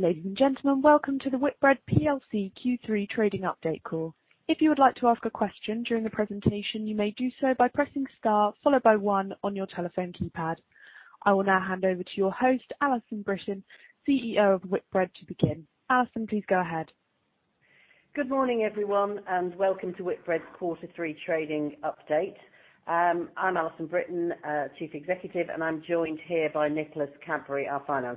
Ladies and gentlemen, welcome to the Whitbread PLC Q3 trading update call. If you would like to ask a question during the presentation, you may do so by pressing star, followed by one on your telephone keypad. I will now hand over to your host, Alison Brittain, CEO of Whitbread, to begin. Alison, please go ahead. Good morning, everyone, and welcome to Whitbread's quarter three trading update. I'm Alison Brittain, Chief Executive, and I'm joined here by Nicholas Cadbury, our Finance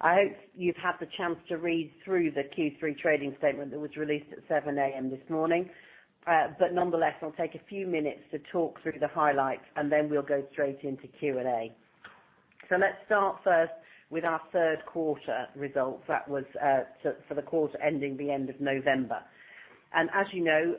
Director. I hope you've had the chance to read through the Q3 trading statement that was released at 7:00 A.M. this morning. Nonetheless, I'll take a few minutes to talk through the highlights, and then we'll go straight into Q&A. Let's start first with our third quarter results. That was for the quarter ending the end of November. As you know,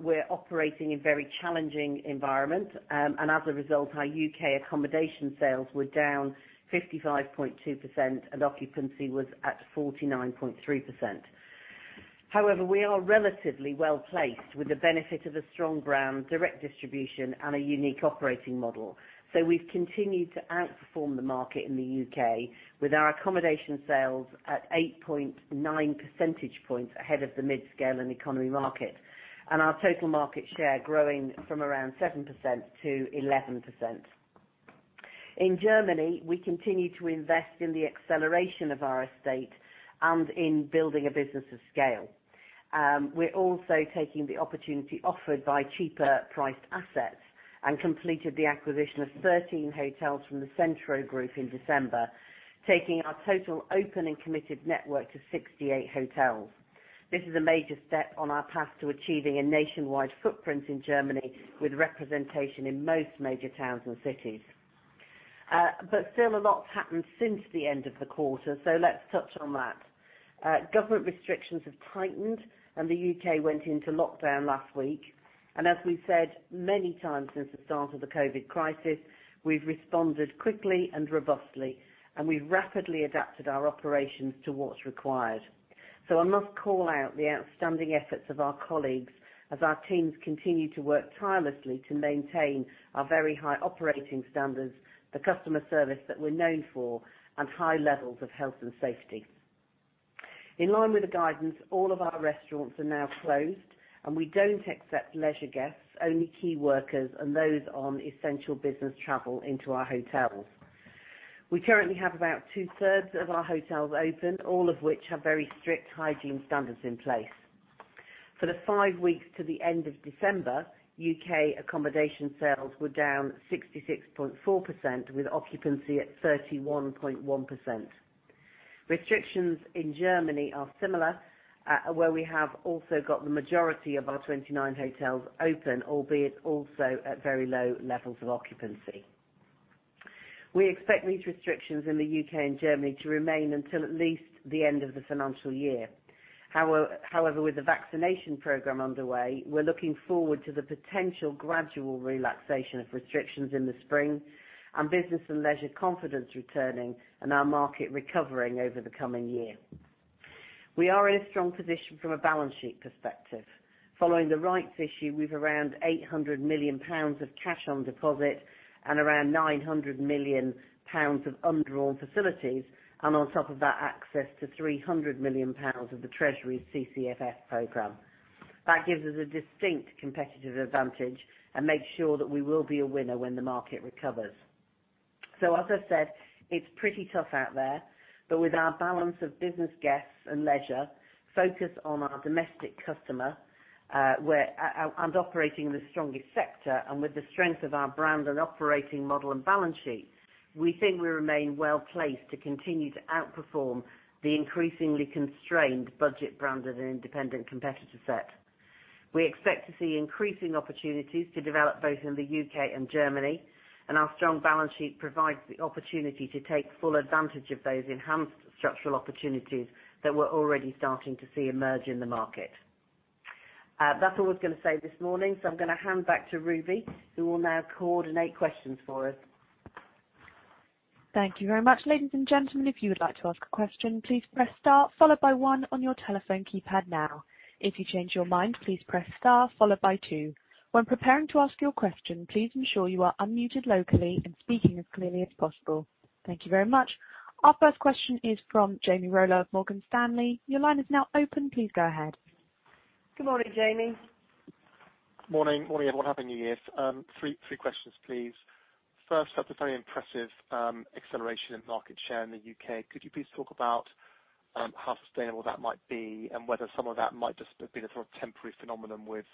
we're operating in very challenging environment, and as a result, our U.K. accommodation sales were down 55.2% and occupancy was at 49.3%. However, we are relatively well-placed with the benefit of a strong brand, direct distribution, and a unique operating model. We've continued to outperform the market in the U.K. with our accommodation sales at 8.9 percentage points ahead of the mid-scale and economy market, and our total market share growing from around 7% to 11%. In Germany, we continue to invest in the acceleration of our estate and in building a business of scale. We're also taking the opportunity offered by cheaper priced assets and completed the acquisition of 13 hotels from the Centro Group in December, taking our total open and committed network to 68 hotels. This is a major step on our path to achieving a nationwide footprint in Germany, with representation in most major towns and cities. Still, a lot's happened since the end of the quarter, so let's touch on that. Government restrictions have tightened, and the U.K. went into lockdown last week. As we've said many times since the start of the COVID crisis, we've responded quickly and robustly, and we've rapidly adapted our operations to what's required. I must call out the outstanding efforts of our colleagues as our teams continue to work tirelessly to maintain our very high operating standards, the customer service that we're known for, and high levels of health and safety. In line with the guidance, all of our restaurants are now closed. We don't accept leisure guests, only key workers and those on essential business travel into our hotels. We currently have about 2/3 of our hotels open, all of which have very strict hygiene standards in place. For the five weeks to the end of December, U.K. accommodation sales were down 66.4%, with occupancy at 31.1%. Restrictions in Germany are similar, where we have also got the majority of our 29 hotels open, albeit also at very low levels of occupancy. We expect these restrictions in the U.K. and Germany to remain until at least the end of the financial year. With the vaccination program underway, we're looking forward to the potential gradual relaxation of restrictions in the spring and business and leisure confidence returning and our market recovering over the coming year. We are in a strong position from a balance sheet perspective. Following the rights issue, we've around 800 million pounds of cash on deposit and around 900 million pounds of undrawn facilities, and on top of that, access to 300 million pounds of the Treasury's CCFF program. That gives us a distinct competitive advantage and makes sure that we will be a winner when the market recovers. As I said, it's pretty tough out there, but with our balance of business guests and leisure focused on our domestic customer, and operating in the strongest sector, and with the strength of our brand and operating model and balance sheet, we think we remain well-placed to continue to outperform the increasingly constrained budget brands of an independent competitor set. We expect to see increasing opportunities to develop both in the U.K. and Germany, and our strong balance sheet provides the opportunity to take full advantage of those enhanced structural opportunities that we're already starting to see emerge in the market. That's all I was going to say this morning, so I'm going to hand back to Ruby, who will now coordinate questions for us. Thank you very much. Ladies and gentlemen, if you would like to ask a question, please press star followed by one on your telephone keypad now. If you change your mind, please press star followed by two. When preparing to ask your question, please ensure you are unmuted locally and speaking as clearly as possible. Thank you very much. Our first question is from Jamie Rollo of Morgan Stanley. Your line is now open. Please go ahead. Good morning, Jamie. Morning. Morning, everyone. Happy New Year. Three questions, please. First up, a very impressive acceleration in market share in the U.K. Could you please talk about how sustainable that might be and whether some of that might just have been a sort of temporary phenomenon with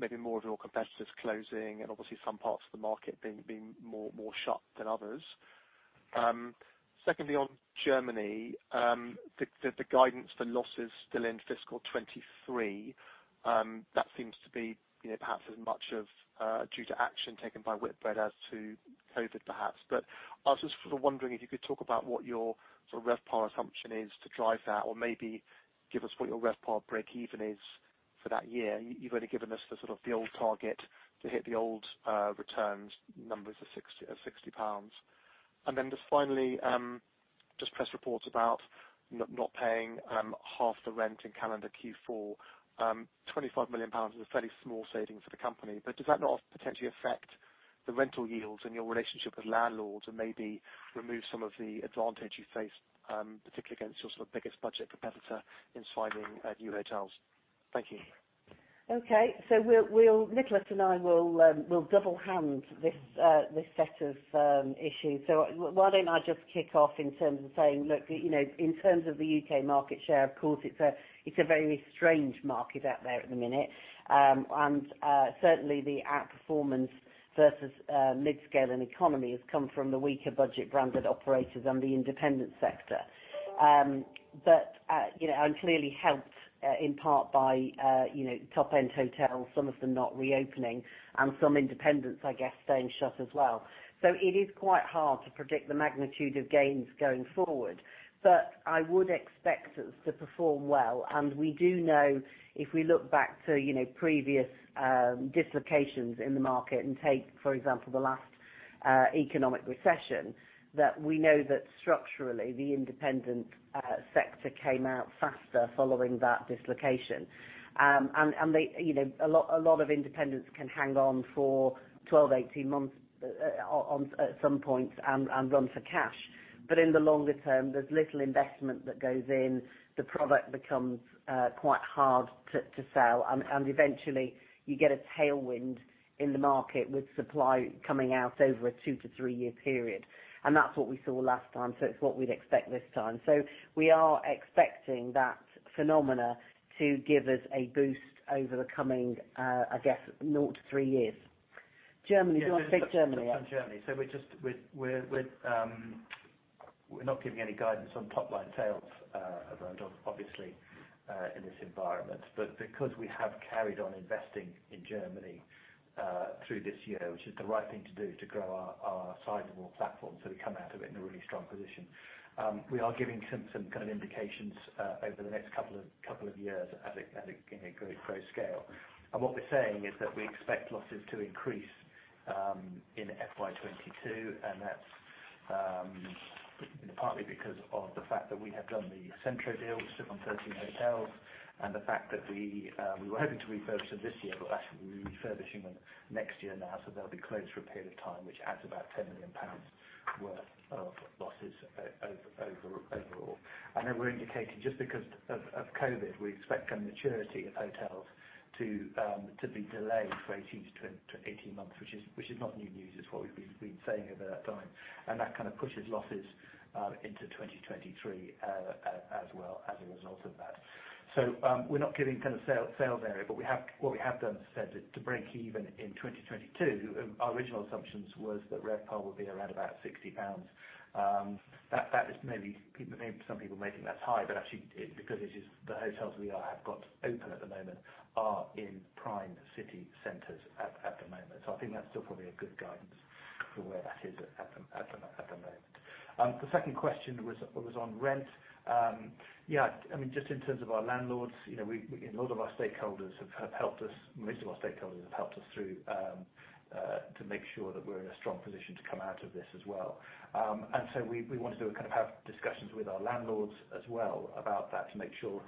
maybe more of your competitors closing and obviously some parts of the market being more shut than others? Secondly, on Germany, the guidance for losses still in fiscal 2023, that seems to be perhaps as much of due to action taken by Whitbread as to COVID, perhaps. I was just sort of wondering if you could talk about what your sort of RevPAR assumption is to drive that or maybe give us what your RevPAR breakeven is for that year. You've only given us the sort of the old target to hit the old returns numbers of 60 pounds. Then just finally, just press reports about not paying half the rent in calendar Q4. 25 million pounds is a fairly small saving for the company, but does that not potentially affect the rental yields and your relationship with landlords, and maybe remove some of the advantage you face, particularly against your sort of biggest budget competitor in signing new hotels? Thank you. Okay. Nicholas and I will double hand this set of issues. Why don't I just kick off in terms of saying, look, in terms of the U.K. market share, of course, it's a very strange market out there at the minute. Certainly, the outperformance versus mid-scale and economy has come from the weaker budget branded operators and the independent sector. Clearly helped in part by top-end hotels, some of them not reopening, and some independents, I guess, staying shut as well. It is quite hard to predict the magnitude of gains going forward. I would expect us to perform well, and we do know if we look back to previous dislocations in the market and take, for example, the last economic recession, that we know that structurally, the independent sector came out faster following that dislocation. A lot of independents can hang on for 12, 18 months at some points and run for cash. In the longer-term, there is little investment that goes in, the product becomes quite hard to sell, and eventually you get a tailwind in the market with supply coming out over a 2-3-year period. That is what we saw last time, so it is what we would expect this time. We are expecting that phenomena to give us a boost over the coming, I guess, 0-3 years. Germany. Do you want to take Germany? Yes. I'll take on Germany. We're not giving any guidance on top-line sales, obviously, in this environment. Because we have carried on investing in Germany through this year, which is the right thing to do to grow our sizable platform so we come out of it in a really strong position. We are giving some kind of indications over the next couple of years at a kind of growth scale. What we're saying is that we expect losses to increase in FY 2022, and that's partly because of the fact that we have done the Centro deal, which took on 13 hotels, and the fact that we were hoping to refurbish them this year, but actually, we'll be refurbishing them next year now. They'll be closed for a period of time, which adds about 10 million pounds worth of losses overall. We're indicating, just because of COVID, we expect kind of maturity of hotels to be delayed for 18 months, which is not new news. It's what we've been saying over that time. That kind of pushes losses into 2023 as well as a result of that. We're not giving kind of sales there, but what we have done, as I said, to break even in 2022, our original assumptions was that RevPAR will be around about 60 pounds. Some people maybe thinking that's high, but actually, because the hotels we have got open at the moment are in prime city centers at the moment. I think that's still probably a good guidance for where that is at the moment. The second question was on rent. Yeah. Just in terms of our landlords, a lot of our stakeholders have helped us. Most of our stakeholders have helped us through to make sure that we're in a strong position to come out of this as well. We want to kind of have discussions with our landlords as well about that to make sure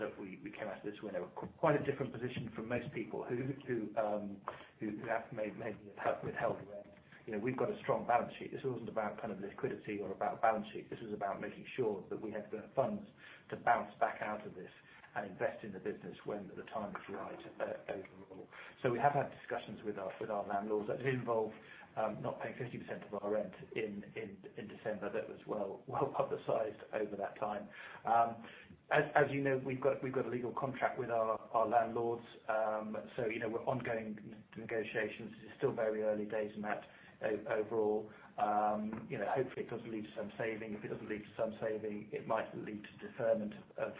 that we came out of this in quite a different position from most people who have maybe withheld rent. We've got a strong balance sheet. This wasn't about kind of liquidity or about balance sheet. This was about making sure that we had the funds to bounce back out of this and invest in the business when the time is right overall. We have had discussions with our landlords that did involve not paying 50% of our rent in December. That was well publicized over that time. As you know, we've got a legal contract with our landlords, so ongoing negotiations. It's still very early days in that overall. Hopefully, it does lead to some saving. If it doesn't lead to some saving, it might lead to deferment of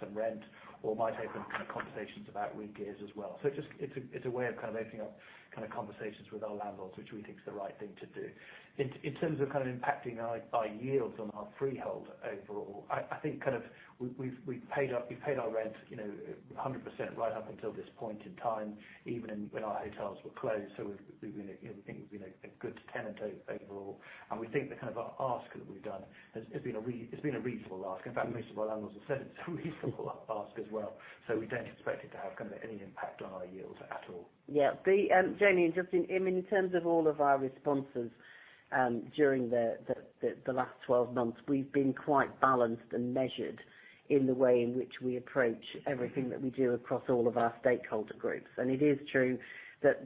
some rent or might open kind of conversations about rent arrears as well. It's a way of kind of opening up kind of conversations with our landlords, which we think is the right thing to do. In terms of kind of impacting our yields on our freehold overall, I think we've paid our rent 100% right up until this point in time, even when our hotels were closed. We think we've been a good tenant overall, and we think the kind of ask that we've done has been a reasonable ask. In fact, most of our landlords have said it's a reasonable ask as well. We don't expect it to have any impact on our yields at all. Yeah. Great, Jamie, in terms of all of our responses during the last 12 months, we've been quite balanced and measured in the way in which we approach everything that we do across all of our stakeholder groups. It is true that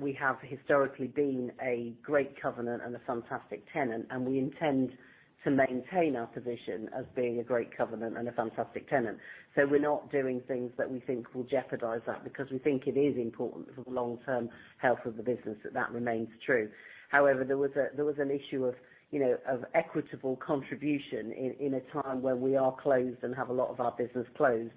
we have historically been a great covenant and a fantastic tenant, we intend to maintain our position as being a great covenant and a fantastic tenant. We're not doing things that we think will jeopardize that because we think it is important for the long-term health of the business that that remains true. However, there was an issue of equitable contribution in a time where we are closed and have a lot of our business closed,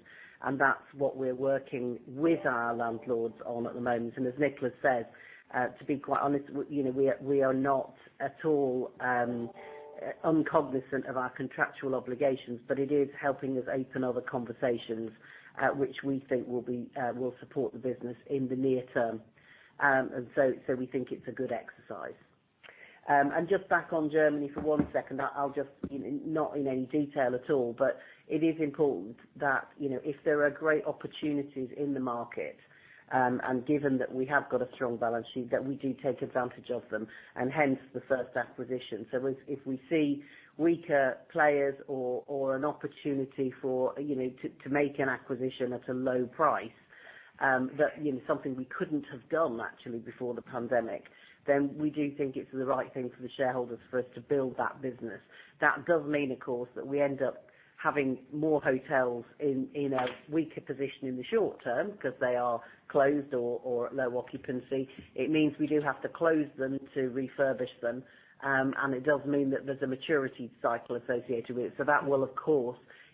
that's what we're working with our landlords on at the moment. As Nicholas said, to be quite honest, we are not at all uncognizant of our contractual obligations, but it is helping us open other conversations, which we think will support the business in the near-term. We think it's a good exercise. Just back on Germany for one second. Not in any detail at all, but it is important that if there are great opportunities in the market, and given that we have got a strong balance sheet, that we do take advantage of them, and hence the first acquisition. If we see weaker players or an opportunity to make an acquisition at a low price, that something we couldn't have done actually before the pandemic, then we do think it's the right thing for the shareholders for us to build that business. That does mean, of course, that we end up having more hotels in a weaker position in the short-term because they are closed or at low occupancy. It means we do have to close them to refurbish them. It does mean that there's a maturity cycle associated with it. That will, of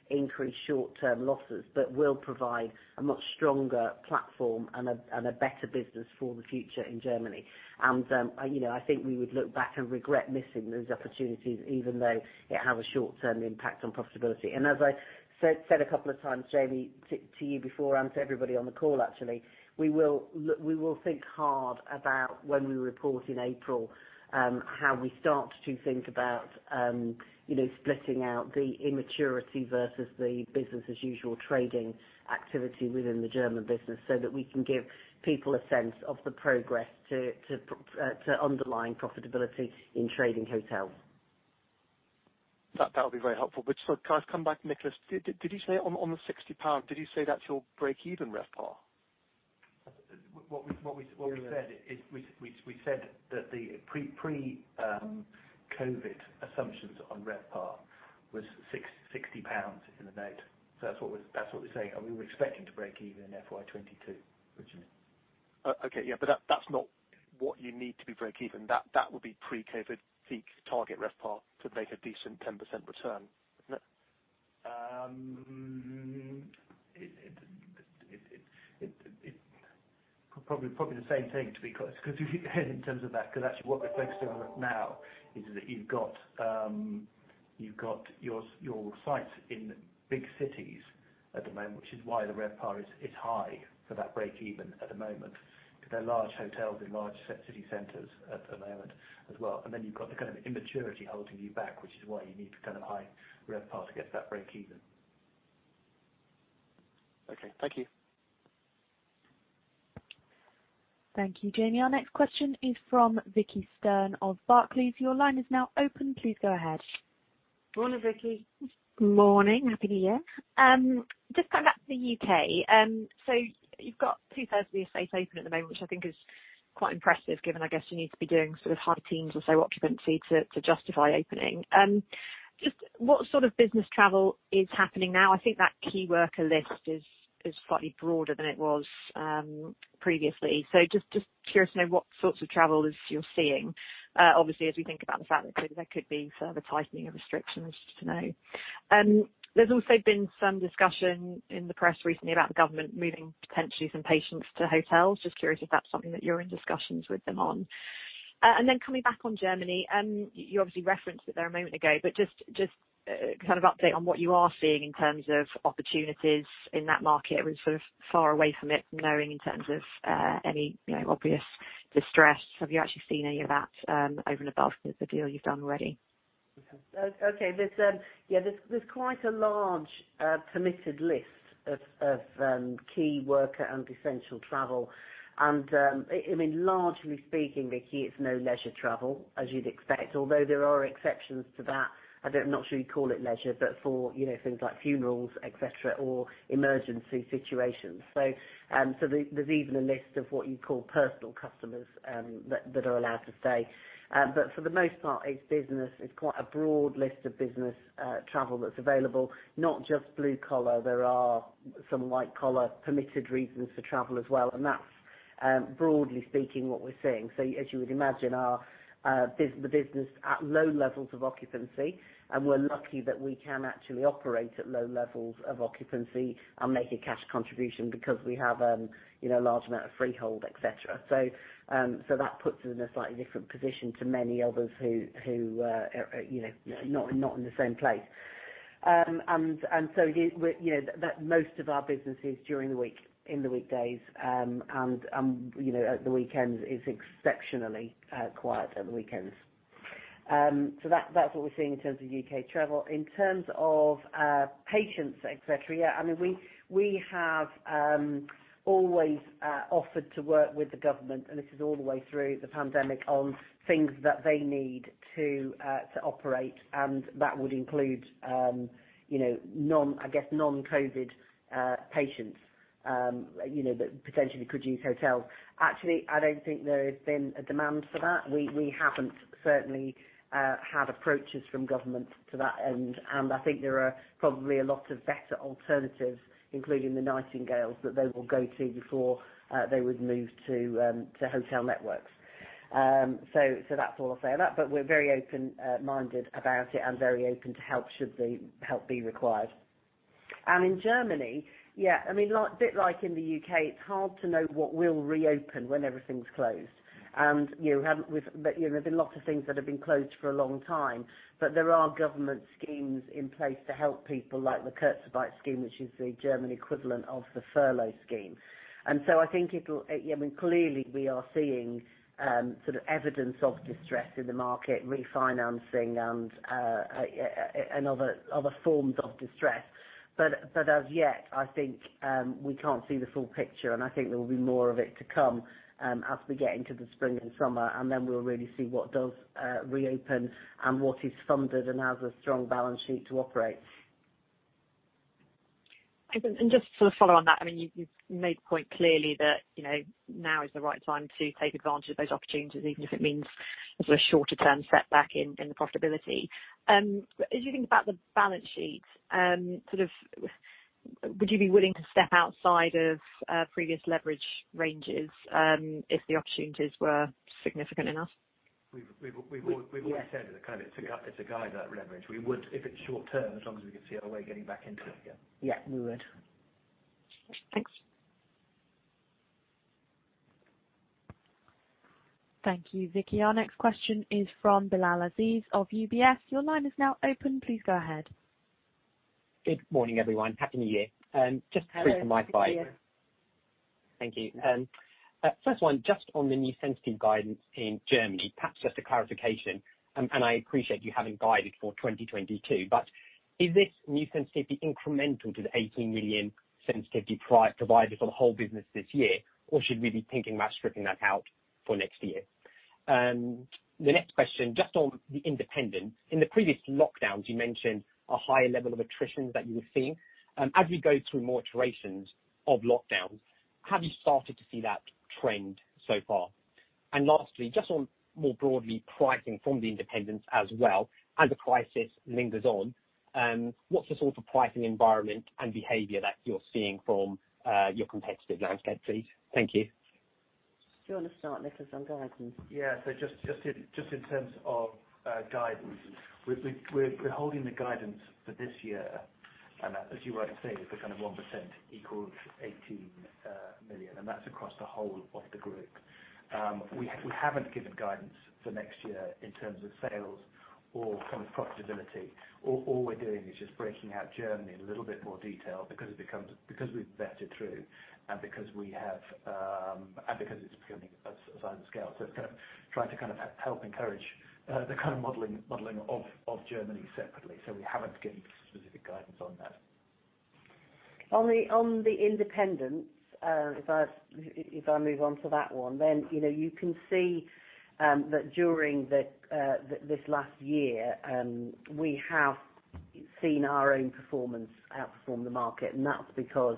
course, increase short-term losses, but will provide a much stronger platform and a better business for the future in Germany. I think we would look back and regret missing those opportunities, even though it has a short-term impact on profitability. As I said a couple of times, Jamie, to you before, and to everybody on the call actually, we will think hard about when we report in April, how we start to think about splitting out the immaturity versus the business as usual trading activity within the German business so that we can give people a sense of the progress to underlying profitability in trading hotels. That would be very helpful. Can I come back, Nicholas? On the 60 pound, did you say that's your breakeven RevPAR? What we said is, we said that the pre-COVID assumptions on RevPAR was 60 pounds in the note. That's what we're saying. We were expecting to break even FY 2022, originally. Okay. Yeah, that's not what you need to be breakeven. That would be pre-COVID peak target RevPAR to make a decent 10% return, isn't it? Probably the same thing, in terms of that, because actually what reflects now is that you've got your sites in big cities at the moment, which is why the RevPAR is high for that breakeven at the moment. Because they're large hotels in large city centers at the moment as well. You've got the kind of immaturity holding you back, which is why you need to high RevPAR to get to that breakeven. Okay. Thank you. Thank you, Jamie. Our next question is from Vicki Stern of Barclays. Your line is now open. Please go ahead. Morning, Vicki. Morning. Happy New Year. Just coming back to the U.K. You've got 2/3 of the estate open at the moment, which I think is quite impressive given, I guess you need to be doing sort of high teens or so occupancy to justify opening. Just what sort of business travel is happening now? I think that key worker list is slightly broader than it was previously. Just curious to know what sorts of travel you're seeing, obviously, as we think about the fact that there could be further tightening of restrictions. There's also been some discussion in the press recently about the government moving potentially some patients to hotels. Just curious if that's something that you're in discussions with them on. Coming back on Germany, you obviously referenced it there a moment ago, but just kind of update on what you are seeing in terms of opportunities in that market. Are we sort of far away from it from knowing in terms of any obvious distress? Have you actually seen any of that over and above the deal you have done already? There's quite a large permitted list of key worker and essential travel. Largely speaking, Vicki, it's no leisure travel, as you'd expect, although there are exceptions to that. I'm not sure you'd call it leisure, but for things like funerals, et cetera, or emergency situations. There's even a list of what you'd call personal customers that are allowed to stay. For the most part, it's business. It's quite a broad list of business travel that's available, not just blue collar. There are some white collar permitted reasons for travel as well, and that's broadly speaking, what we're seeing. As you would imagine, the business at low levels of occupancy, and we're lucky that we can actually operate at low levels of occupancy and make a cash contribution because we have a large amount of freehold, et cetera. That puts us in a slightly different position to many others who are not in the same place. Most of our business is during the week, in the weekdays, and at the weekends, it's exceptionally quiet at the weekends. That's what we're seeing in terms of U.K. travel. In terms of patients, et cetera, yeah, we have always offered to work with the government, and this is all the way through the pandemic, on things that they need to operate. That would include, I guess, non-COVID patients that potentially could use hotels. Actually, I don't think there's been a demand for that. We haven't certainly had approaches from government to that end, and I think there are probably a lot of better alternatives, including the Nightingales, that they will go to before they would move to hotel networks. That's all I'll say on that, but we're very open-minded about it and very open to help should the help be required. In Germany, a bit like in the U.K., it's hard to know what will reopen when everything's closed. There's been lots of things that have been closed for a long time, but there are government schemes in place to help people like the Kurzarbeit scheme, which is the German equivalent of the furlough scheme. I think, clearly we are seeing sort of evidence of distress in the market, refinancing and other forms of distress. As yet, I think we can't see the full picture, and I think there will be more of it to come as we get into the spring and summer, and then we'll really see what does reopen and what is funded and has a strong balance sheet to operate. Just to follow on that, you've made the point clearly that now is the right time to take advantage of those opportunities, even if it means a sort of shorter-term setback in the profitability. As you think about the balance sheet, would you be willing to step outside of previous leverage ranges if the opportunities were significant enough? We've already said it's a guide, that leverage. We would, if it's short-term, as long as we can see our way getting back into it, yeah. Yeah, we would. Thanks. Thank you, Vicki. Our next question is from Bilal Aziz of UBS. Your line is now open. Please go ahead. Good morning, everyone. Happy New Year. Hello. Just three from my side. Thank you. First one, just on the new sensitivity guidance in Germany, perhaps just a clarification. I appreciate you having guided for 2022. Is this new sensitivity incremental to the 18 million sensitivity providers for the whole business this year, or should we be thinking about stripping that out for next year? The next question, just on the independents. In the previous lockdowns, you mentioned a higher level of attrition that you were seeing. As we go through more iterations of lockdowns, have you started to see that trend so far? Lastly, just on more broadly pricing from the independents as well, as the crisis lingers on, what's the sort of pricing environment and behavior that you're seeing from your competitive landscape, please? Thank you. Do you want to start, Nicholas, on guidance? Yeah. Just in terms of guidance, we're holding the guidance for this year, and as you rightly say, the kind of 1% equals 18 million, and that's across the whole of the group. We haven't given guidance for next year in terms of sales or kind of profitability. All we're doing is just breaking out Germany in a little bit more detail because we've vetted through and because it's becoming a size and scale. It's trying to help encourage the kind of modeling of Germany separately. We haven't given specific guidance on that. On the independents, if I move on to that one, you can see that during this last year, we have seen our own performance outperform the market, and that's because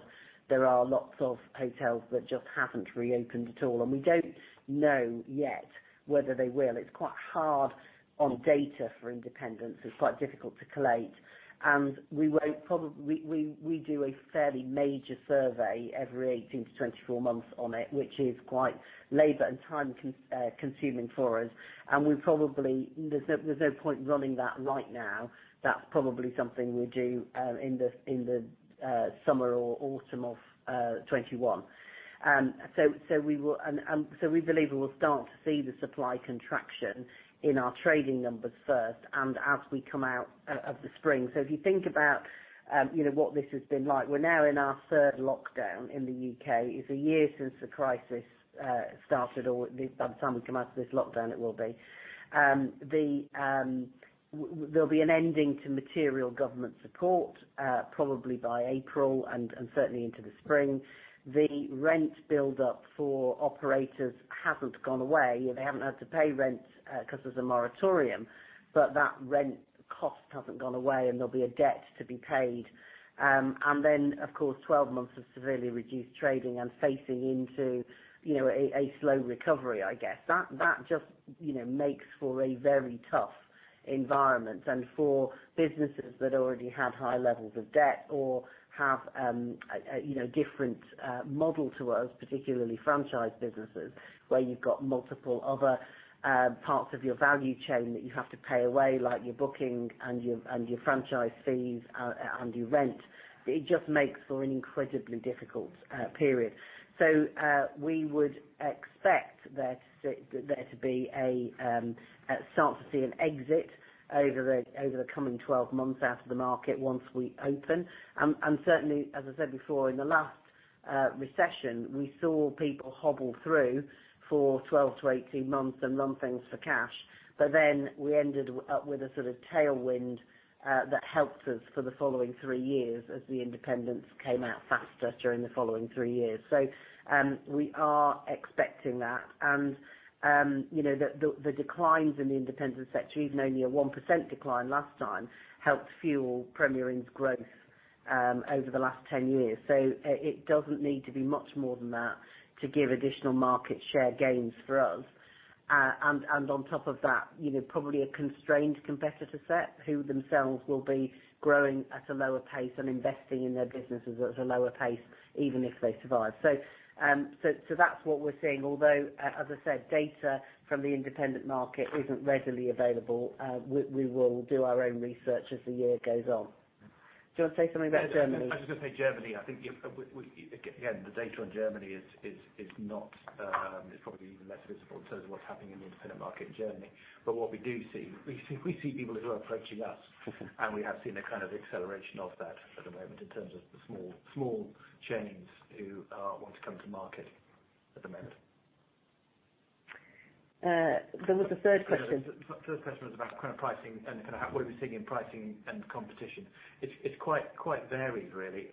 there are lots of hotels that just haven't reopened at all, and we don't know yet whether they will. It's quite hard on data for independents. It's quite difficult to collate. We do a fairly major survey every 18-24 months on it, which is quite labor and time-consuming for us, and there's no point running that right now. That's probably something we'll do in the summer or autumn of 2021. We believe we will start to see the supply contraction in our trading numbers first and as we come out of the spring. If you think about what this has been like, we're now in our third lockdown in the U.K. It's a year since the crisis started, or by the time we come out of this lockdown, it will be. There'll be an ending to material government support, probably by April and certainly into the spring. The rent build-up for operators hasn't gone away. They haven't had to pay rent because there's a moratorium, but that rent cost hasn't gone away, and there'll be a debt to be paid. Of course, 12 months of severely reduced trading and facing into a slow recovery, I guess. That just makes for a very tough environment and for businesses that already have high levels of debt or have a different model to us, particularly franchise businesses, where you've got multiple other parts of your value chain that you have to pay away, like your booking and your franchise fees and your rent. It just makes for an incredibly difficult period. We would expect there to start to see an exit over the coming 12 months out of the market once we open. Certainly, as I said before, in the last recession, we saw people hobble through for 12-18 months and run things for cash. We ended up with a sort of tailwind that helped us for the following three years as the independents came out faster during the following three years. We are expecting that, and the declines in the independent sector, even only a 1% decline last time, helped fuel Premier Inn's growth over the last 10 years. It doesn't need to be much more than that to give additional market share gains for us. On top of that, probably a constrained competitor set who themselves will be growing at a lower pace and investing in their businesses at a lower pace, even if they survive. That's what we're seeing, although, as I said, data from the independent market isn't readily available. We will do our own research as the year goes on. Do you want to say something about Germany? I was going to say, Germany, I think, again, the data on Germany is probably even less visible in terms of what's happening in the independent market in Germany. But what we do see, we see people who are approaching us, and we have seen a kind of acceleration of that at the moment in terms of the small chains who want to come to market at the moment. There was a third question. The third question was about pricing and what are we seeing in pricing and competition. It's quite varied, really.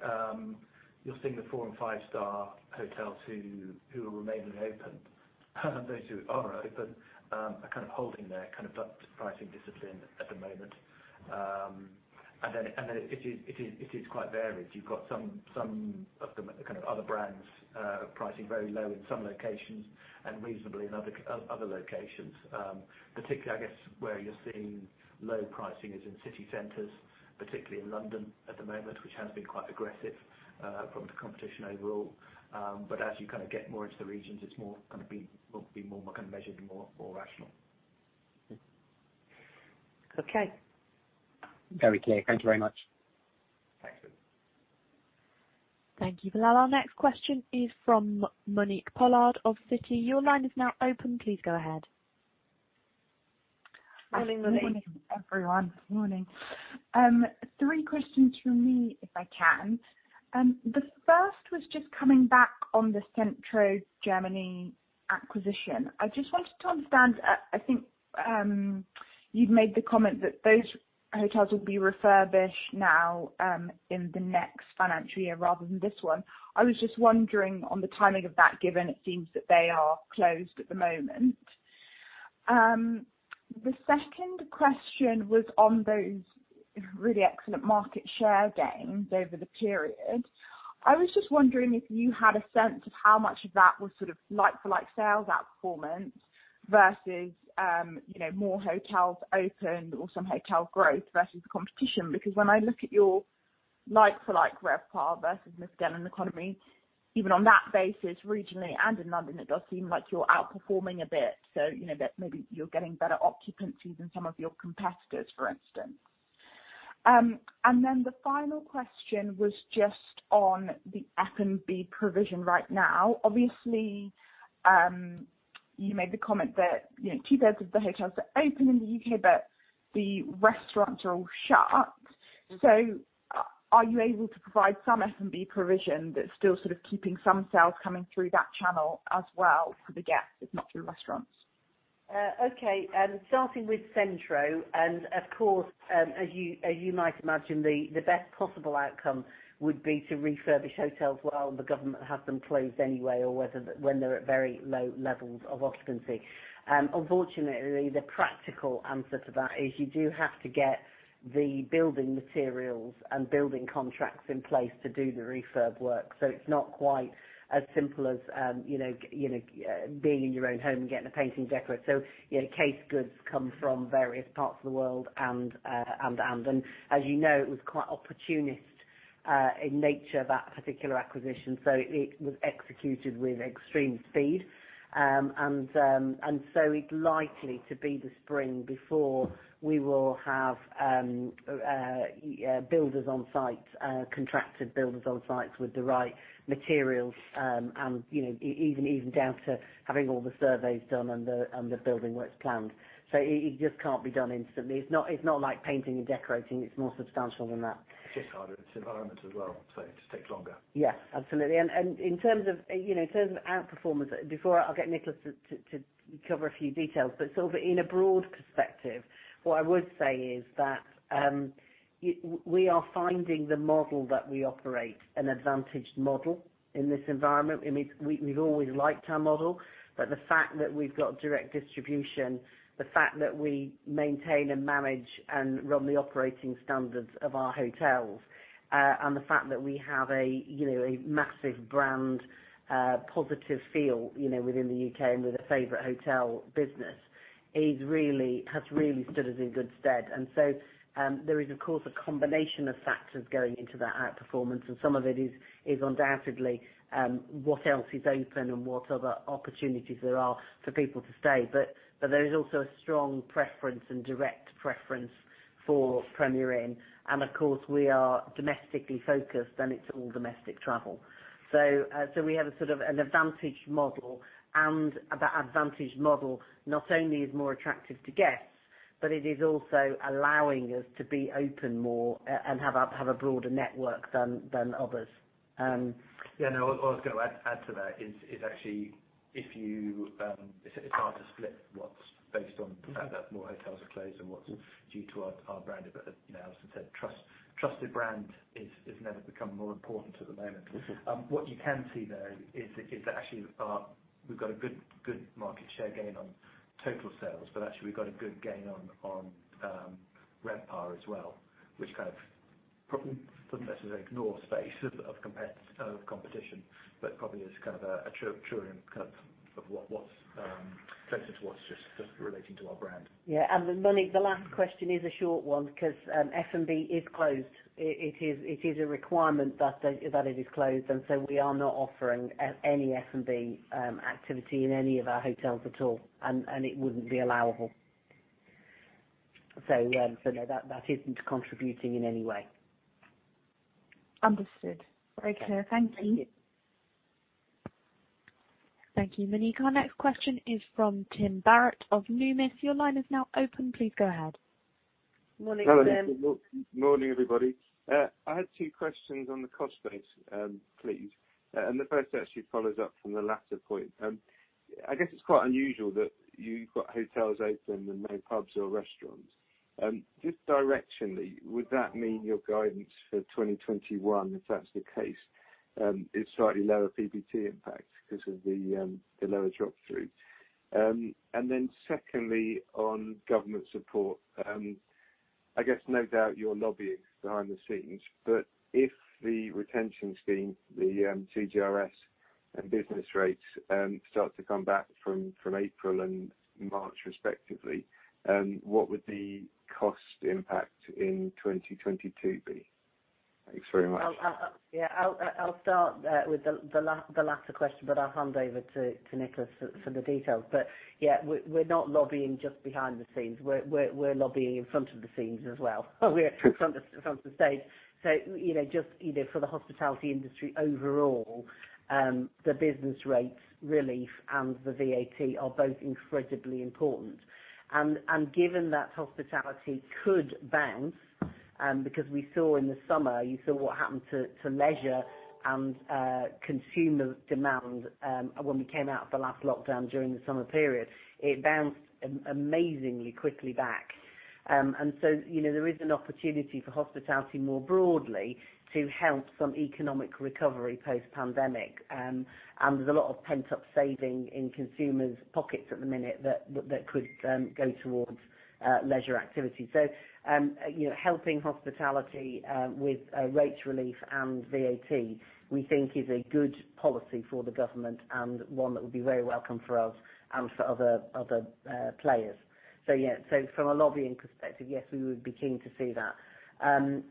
You're seeing the four and five-star hotels who are remaining open. Those who are open are holding their pricing discipline at the moment. It is quite varied. You've got some of the other brands pricing very low in some locations and reasonably in other locations. Particularly, I guess, where you're seeing low pricing is in city centers, particularly in London at the moment, which has been quite aggressive from the competition overall. As you get more into the regions, it's going to be more measured and more rational. Okay. Very clear. Thank you very much. Thanks. Thank you, Bilal. Our next question is from Monique Pollard of Citi. Your line is now open. Please go ahead. Morning, Monique. Morning, everyone. Morning. Three questions from me, if I can. The first was just coming back on the Centro Germany acquisition. I just wanted to understand, I think, you'd made the comment that those hotels will be refurbished now in the next financial year rather than this one. I was just wondering on the timing of that, given it seems that they are closed at the moment. The second question was on those really excellent market share gains over the period. I was just wondering if you had a sense of how much of that was like-for-like sales outperformance versus more hotels open or some hotel growth versus competition. Because when I look at your like-for-like RevPAR versus mid-scale and economy, even on that basis, regionally and in London, it does seem like you're outperforming a bit. So maybe you're getting better occupancies than some of your competitors, for instance. The final question was just on the F&B provision right now. Obviously, you made the comment that two-thirds of the hotels are open in the U.K., but the restaurants are all shut up. Are you able to provide some F&B provision that's still keeping some sales coming through that channel as well for the guests, if not through restaurants? Okay. Starting with Centro, of course, as you might imagine, the best possible outcome would be to refurbish hotels while the government has them closed anyway, or when they're at very low levels of occupancy. Unfortunately, the practical answer to that is you do have to get the building materials and building contracts in place to do the refurb work. It's not quite as simple as being in your own home and getting a painting decorate. Case goods come from various parts of the world, as you know, it was quite opportunist in nature, that particular acquisition, it was executed with extreme speed. It's likely to be the spring before we will have builders on site, contracted builders on site with the right materials, and even down to having all the surveys done and the building works planned. It just can't be done instantly. It's not like painting and decorating. It's more substantial than that. It's just harder. It's in our environment as well, so it just takes longer. Yes, absolutely. In terms of outperformance, before I'll get Nicholas to cover a few details, but sort of in a broad perspective, what I would say is that we are finding the model that we operate an advantaged model in this environment. We've always liked our model, but the fact that we've got direct distribution, the fact that we maintain and manage and run the operating standards of our hotels, and the fact that we have a massive brand positive feel within the U.K. and with a favorite hotel business has really stood us in good stead. There is, of course, a combination of factors going into that outperformance, and some of it is undoubtedly what else is open and what other opportunities there are for people to stay. There is also a strong preference and direct preference for Premier Inn. Of course, we are domestically focused. It's all domestic travel. We have a sort of an advantaged model. That advantaged model not only is more attractive to guests, but it is also allowing us to be open more and have a broader network than others. Yeah, no, what I was going to add to that is actually, it's hard to split what's based on the fact that more hotels are closed and what's due to our brand. As Alison said, trusted brand has never become more important at the moment. What you can see, though, is that actually we've got a good market share gain on total sales, but actually we've got a good gain on RevPAR as well, which kind of probably doesn't necessarily ignore space of competition, but probably is kind of a truer of what's just relating to our brand. Yeah. Monique, the last question is a short one because F&B is closed. It is a requirement that it is closed, we are not offering any F&B activity in any of our hotels at all, and it wouldn't be allowable. No, that isn't contributing in any way. Understood. Very clear. Thank you. Thank you. Thank you, Monique. Our next question is from Tim Barrett of Numis. Your line is now open. Please go ahead. Morning, Tim. Morning, everybody. I had two questions on the cost base, please. The first actually follows-up from the latter point. I guess it's quite unusual that you've got hotels open and no pubs or restaurants. Just directionally, would that mean your guidance for 2021, if that's the case, is slightly lower PBT impact because of the lower drop-through? Secondly, on government support, I guess no doubt you're lobbying behind the scenes, but if the retention scheme, the CJRS and business rates start to come back from April and March respectively, what would the cost impact in 2022 be? Thanks very much. Yeah. I'll start with the latter question, I'll hand over to Nicholas for the details. Yeah, we're not lobbying just behind the scenes. We're lobbying in front of the scenes as well. We're front of the stage. Just either for the hospitality industry overall, the business rates relief and the VAT are both incredibly important. Given that hospitality could bounce, because we saw in the summer, you saw what happened to leisure and consumer demand when we came out of the last lockdown during the summer period. It bounced amazingly quickly back. There is an opportunity for hospitality more broadly to help some economic recovery post-pandemic. There's a lot of pent-up saving in consumers' pockets at the minute that could go towards leisure activities. Helping hospitality with rates relief and VAT, we think is a good policy for the government and one that would be very welcome for us and for other players. Yeah. From a lobbying perspective, yes, we would be keen to see that.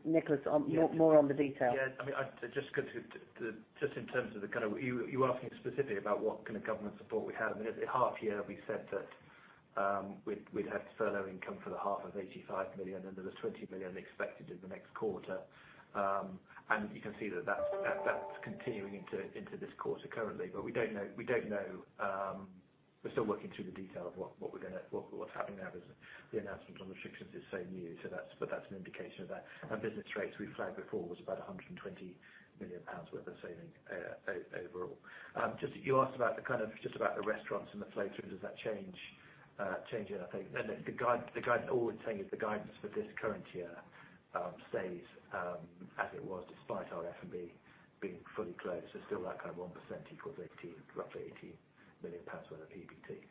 Nicholas, more on the detail. Yeah. Just in terms of the kind of you're asking specifically about what kind of government support we have. I mean, at the half year, we said that we'd have furlough income for the half of 85 million, and then there's 20 million expected in the next quarter. You can see that's continuing into this quarter currently. We don't know, we're still working through the detail of what's happening there as the announcement on restrictions is so new. That's an indication of that. Business rates we flagged before was about 120 million pounds worth of saving overall. You asked about the kind of, just about the restaurants and the flow through, does that change anything? The guidance, all we're saying is the guidance for this current year stays as it was despite our F&B being fully closed. still that kind of 1% equals roughly 18 million pounds worth of PBT.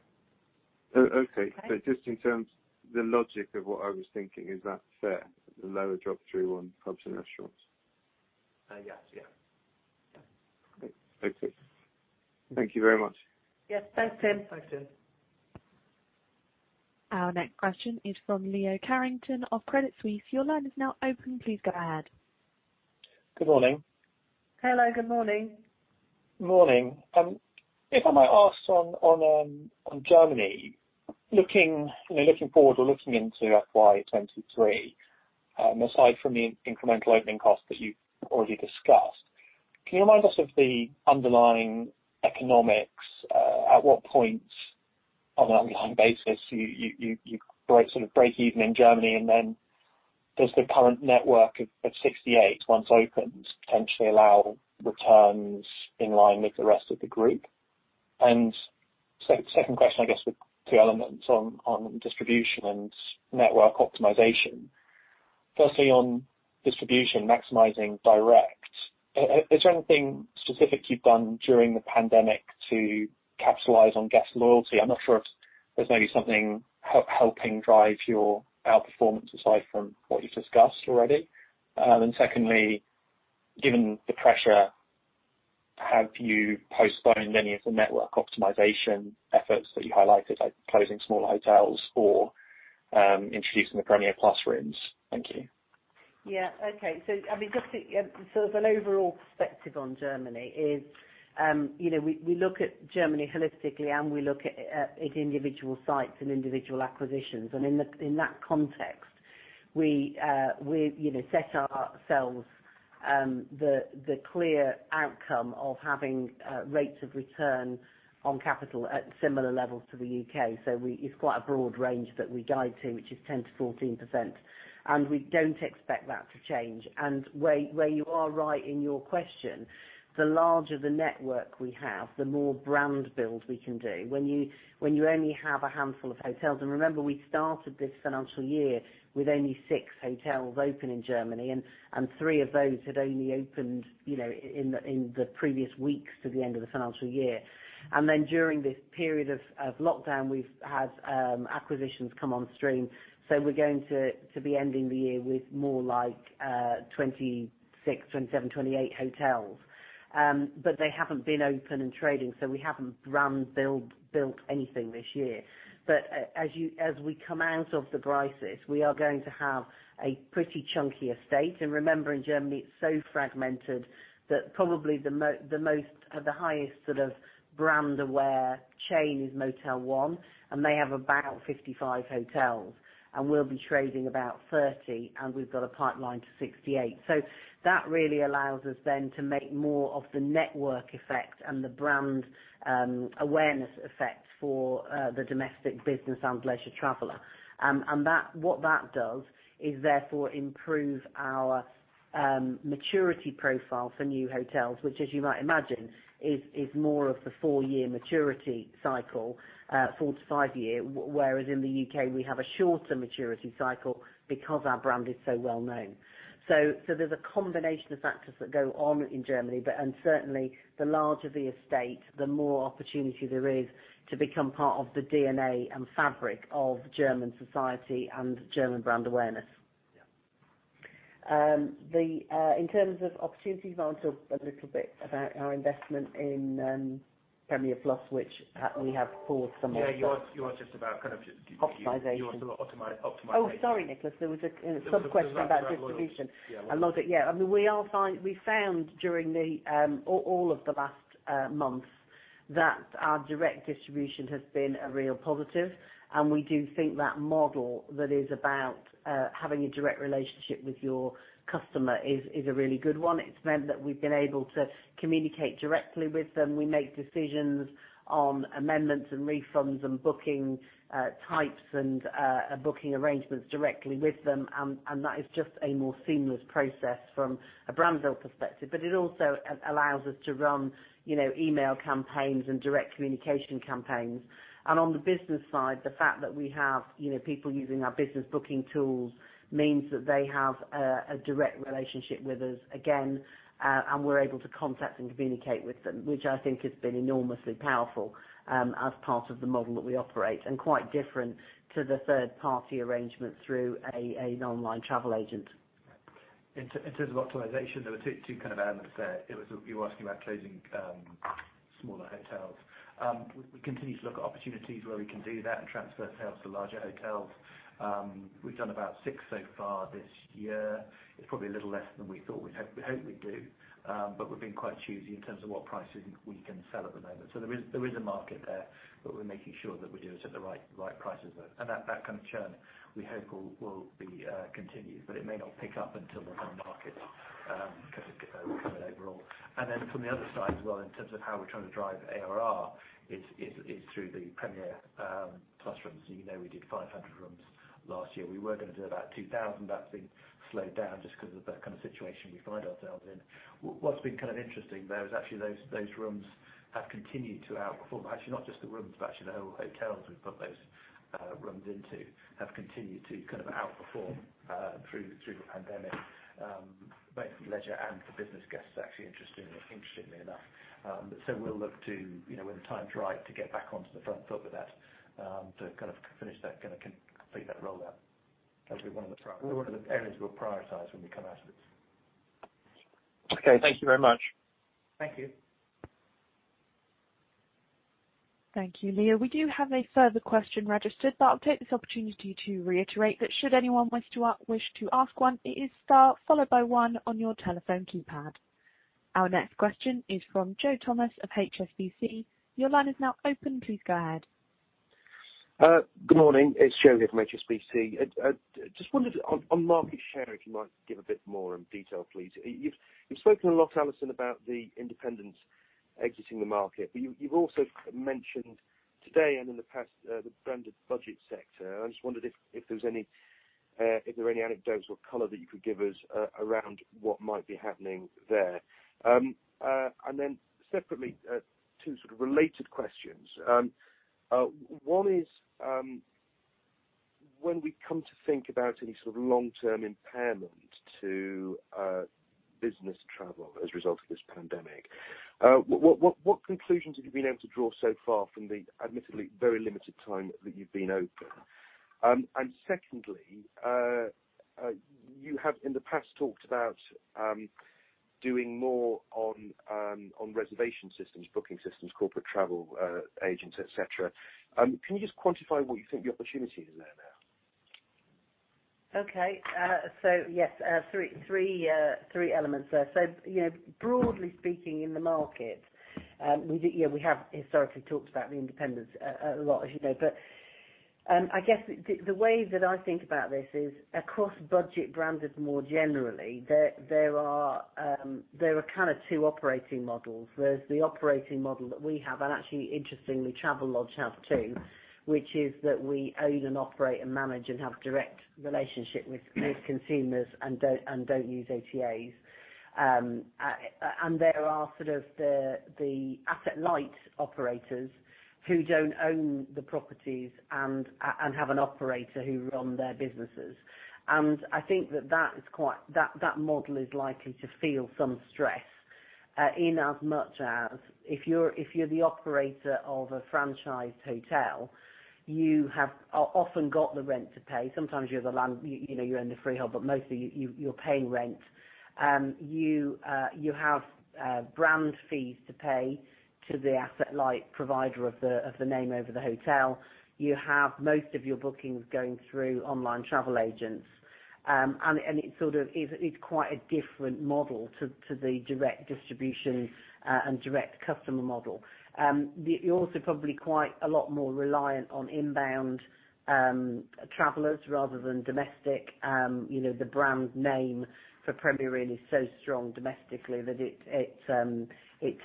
Okay. Okay. Just in terms, the logic of what I was thinking, is that fair, the lower drop-through on pubs and restaurants? Yes. Okay. Thank you very much. Yes. Thanks, Tim. Thanks, Tim. Our next question is from Leo Carrington of Credit Suisse. Your line is now open. Please go ahead. Good morning. Hello, good morning. Morning. If I might ask on Germany, looking forward or looking into FY 2023, aside from the incremental opening costs that you've already discussed, can you remind us of the underlying economics? At what point on an underlying basis you break even in Germany? Does the current network of 68, once opened, potentially allow returns in line with the rest of the group? Second question, I guess with two elements on distribution and network optimization. Firstly, on distribution maximizing direct, is there anything specific you've done during the pandemic to capitalize on guest loyalty? I'm not sure if there's maybe something helping drive your outperformance aside from what you've discussed already. Secondly, given the pressure, have you postponed any of the network optimization efforts that you highlighted, like closing small hotels or introducing the Premier Plus rooms? Thank you. I mean, just as an overall perspective on Germany is, we look at Germany holistically and we look at individual sites and individual acquisitions. In that context, we set ourselves the clear outcome of having rates of return on capital at similar levels to the U.K. It's quite a broad range that we guide to, which is 10%-14%, and we don't expect that to change. Where you are right in your question, the larger the network we have, the more brand build we can do. When you only have a handful of hotels, and remember, we started this financial year with only six hotels open in Germany, and three of those had only opened in the previous weeks to the end of the financial year. During this period of lockdown, we've had acquisitions come on stream. We're going to be ending the year with more like, 26, 27, 28 hotels. They haven't been open and trading, we haven't brand built anything this year. As we come out of the crisis, we are going to have a pretty chunky estate. Remember, in Germany, it's so fragmented that probably the highest sort of brand aware chain is Motel One, and they have about 55 hotels, and we'll be trading about 30, and we've got a pipeline to 68. That really allows us then to make more of the network effect and the brand awareness effect for the domestic business and leisure traveler. What that does is therefore improve our maturity profile for new hotels, which as you might imagine, is more of the four-year maturity cycle, 4-5 year, whereas in the U.K. we have a shorter maturity cycle because our brand is so well known. There's a combination of factors that go on in Germany, and certainly the larger the estate, the more opportunity there is to become part of the DNA and fabric of German society and German brand awareness. Yeah. In terms of opportunities, I talked a little bit about our investment in Premier Plus, which we have paused somewhat. Yeah, you were just about, kind of- Optimization You were still optimizing. Oh, sorry, Nicholas. There was a sub-question about distribution. Yeah. I love it. Yeah. We found during all of the last months that our direct distribution has been a real positive. We do think that model that is about having a direct relationship with your customer is a really good one. It's meant that we've been able to communicate directly with them. We make decisions on amendments and refunds and booking types and booking arrangements directly with them. That is just a more seamless process from a brand build perspective. It also allows us to run email campaigns and direct communication campaigns. On the business side, the fact that we have people using our business booking tools means that they have a direct relationship with us again, and we're able to contact and communicate with them, which I think has been enormously powerful as part of the model that we operate and quite different to the third-party arrangement through an online travel agent. In terms of optimization, there were two kind of elements there. You were asking about closing smaller hotels. We continue to look at opportunities where we can do that and transfer hotels to larger hotels. We've done about six so far this year. It's probably a little less than we thought we'd hope we'd do, but we've been quite choosy in terms of what prices we can sell at the moment. There is a market there, but we're making sure that we do it at the right prices though. That kind of churn, we hope will be continued, but it may not pick up until the whole market kind of recovered overall. From the other side as well, in terms of how we're trying to drive ARR is through the Premier Plus rooms. You know, we did 500 rooms last year. We were going to do about 2,000. That's been slowed down just because of the kind of situation we find ourselves in. What's been kind of interesting though, is actually those rooms have continued to outperform. Actually, not just the rooms, but actually the whole hotels we've put those rooms into have continued to kind of outperform through the pandemic, both for leisure and for business guests, actually, interestingly enough. We'll look to, when the time's right, to get back onto the front foot with that to kind of finish that, complete that rollout. That'll be one of the areas we'll prioritize when we come out of this. Okay, thank you very much. Thank you. Thank you, Leo. We do have a further question registered, but I'll take this opportunity to reiterate that should anyone wish to ask one, it is star followed by one on your telephone keypad. Our next question is from Joe Thomas of HSBC. Your line is now open. Please go ahead. Good morning. It's Joe here from HSBC. I just wondered on market share, if you might give a bit more detail, please. You've spoken a lot, Alison, about the independents exiting the market. You've also mentioned today and in the past, the branded budget sector. I just wondered if there are any anecdotes or color that you could give us around what might be happening there. Separately, two sort of related questions. One is, when we come to think about any sort of long-term impairment to business travel as a result of this pandemic, what conclusions have you been able to draw so far from the admittedly very limited time that you've been open? Secondly, you have, in the past, talked about doing more on reservation systems, booking systems, corporate travel agents, et cetera. Can you just quantify what you think the opportunity is there now? Okay. Yes, three elements there. Broadly speaking in the market, we have historically talked about the independents a lot, as you know, but I guess the way that I think about this is across budget branded more generally, there are two operating models. There's the operating model that we have, and actually, interestingly, Travelodge have too, which is that we own and operate and manage and have direct relationship with consumers and don't use OTAs. There are sort of the asset-light operators who don't own the properties and have an operator who run their businesses. I think that model is likely to feel some stress in as much as if you're the operator of a franchised hotel, you have often got the rent to pay. Sometimes you own the freehold, but mostly you're paying rent. You have brand fees to pay to the asset-light provider of the name over the hotel. You have most of your bookings going through online travel agents. It sort of is quite a different model to the direct distribution and direct customer model. You're also probably quite a lot more reliant on inbound travelers rather than domestic. The brand name for Premier Inn is so strong domestically that it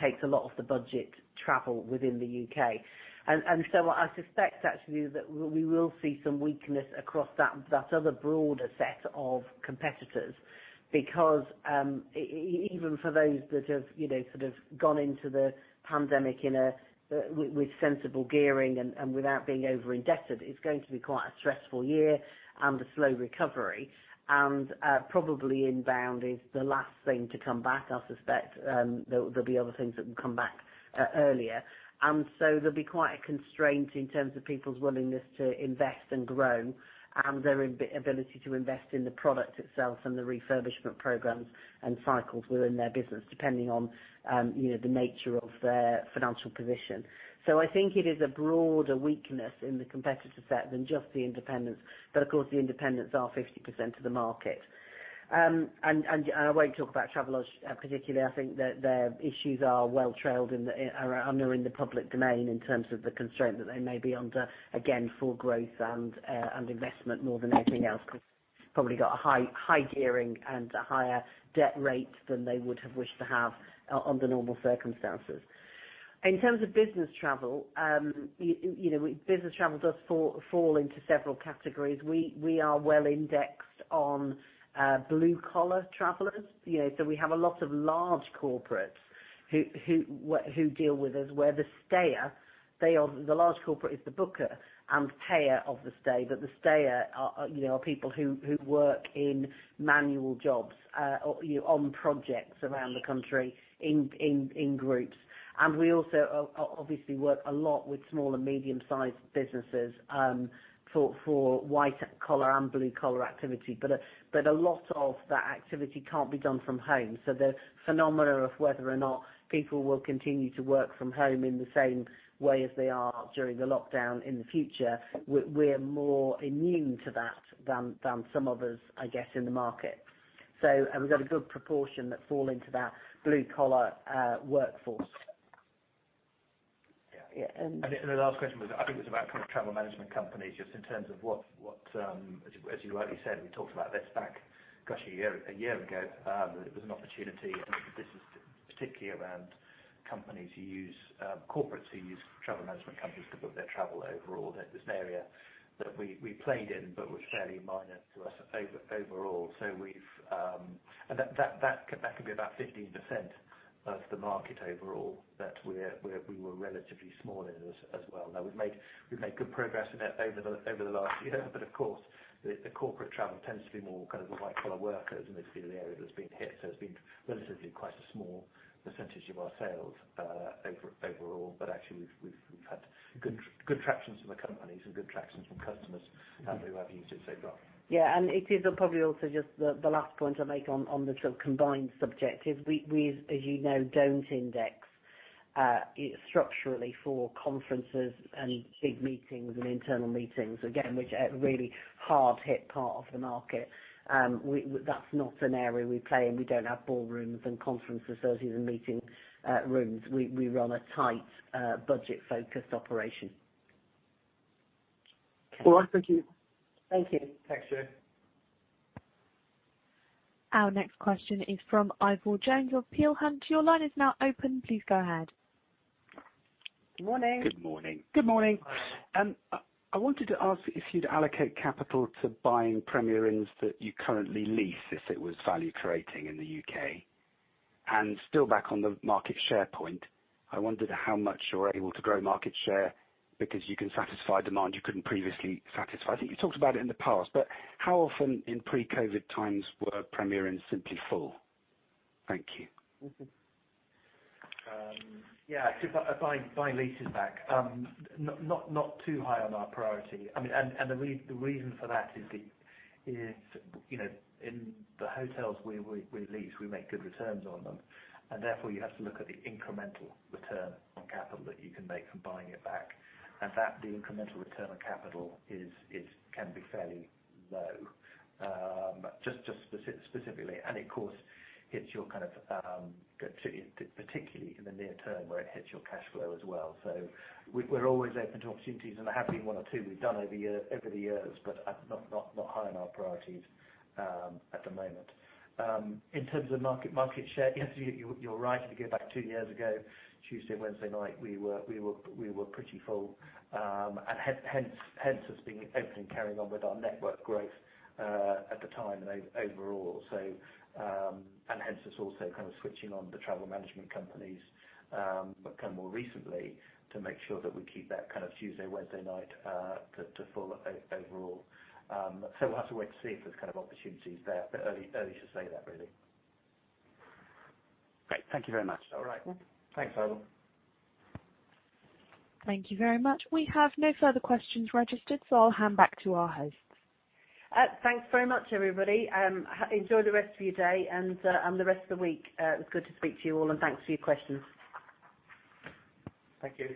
takes a lot of the budget travel within the U.K. I suspect actually that we will see some weakness across that other broader set of competitors, because even for those that have gone into the pandemic with sensible gearing and without being over-indebted, it's going to be quite a stressful year and a slow recovery. Probably inbound is the last thing to come back. I suspect there'll be other things that will come back earlier. There'll be quite a constraint in terms of people's willingness to invest and grow and their ability to invest in the product itself and the refurbishment programs and cycles within their business, depending on the nature of their financial position. I think it is a broader weakness in the competitor set than just the independents. Of course, the independents are 50% of the market. I won't talk about Travelodge particularly. I think that their issues are well trailed and are in the public domain in terms of the constraint that they may be under, again, for growth and investment more than anything else because probably got a high gearing and a higher debt rate than they would have wished to have under normal circumstances. In terms of business travel, business travel does fall into several categories. We are well indexed on blue-collar travelers. We have a lot of large corporates who deal with us where the stayer, the large corporate is the booker and payer of the stay, but the stayer are people who work in manual jobs on projects around the country in groups. We also obviously work a lot with small and medium-sized businesses for white-collar and blue-collar activity. A lot of that activity can't be done from home. The phenomena of whether or not people will continue to work from home in the same way as they are during the lockdown in the future, we're more immune to that than some others, I guess, in the market. We've got a good proportion that fall into that blue-collar workforce. Yeah. Yeah. The last question was, I think it was about kind of travel management companies just in terms of what. As you rightly said, we talked about this back, gosh, a year ago, that it was an opportunity, and this is particularly around companies who use corporates who use travel management companies to book their travel overall. This area that we played in but was fairly minor to us overall. That could be about 15% of the market overall that we were relatively small in as well. We've made good progress in it over the last year but of course, the corporate travel tends to be more kind of the white-collar workers, and this would be the area that's been hit. It's been relatively quite a small percentage of our sales overall. Actually, we've had good tractions from the companies and good tractions from customers who have used it so far. Yeah. It is probably also just the last point I'll make on the sort of combined subject is we, as you know, don't index structurally for conferences and big meetings and internal meetings, again, which are a really hard-hit part of the market. That's not an area we play in. We don't have ballrooms and conference facilities and meeting rooms. We run a tight budget-focused operation. All right. Thank you. Thank you. Thanks, Joe. Our next question is from Ivor Jones of Peel Hunt. Your line is now open. Please go ahead. Morning. Good morning. Good morning. I wanted to ask if you'd allocate capital to buying Premier Inns that you currently lease if it was value-creating in the U.K. Still back on the market share point, I wondered how much you're able to grow market share because you can satisfy demand you couldn't previously satisfy. I think you talked about it in the past, but how often in pre-COVID times were Premier Inn simply full? Thank you. Yeah. Buy leases back. Not too high on our priority. The reason for that is in the hotels we lease, we make good returns on them, and therefore, you have to look at the incremental return on capital that you can make from buying it back. That the incremental return on capital can be fairly low, just specifically. Of course, particularly in the near term where it hits your cash flow as well. We're always open to opportunities, and there have been one or two we've done over the years, but not high on our priorities at the moment. In terms of market share, yes, you're right. If you go back two years ago, Tuesday and Wednesday night, we were pretty full, and hence us being open and carrying on with our network growth at the time and overall, and hence us also kind of switching on the travel management companies more recently to make sure that we keep that kind of Tuesday, Wednesday night to full overall. We'll have to wait to see if there's kind of opportunities there, but early to say that, really. Great. Thank you very much. All right. Thanks, Ivor. Thank you very much. We have no further questions registered, so I'll hand back to our hosts. Thanks very much, everybody. Enjoy the rest of your day and the rest of the week. It was good to speak to you all, and thanks for your questions. Thank you.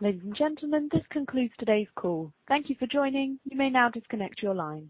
Ladies and gentlemen, this concludes today's call. Thank you for joining. You may now disconnect your lines.